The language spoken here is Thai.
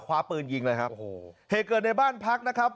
คว้าปืนยิงเลยครับโอ้โหเหตุเกิดในบ้านพักนะครับ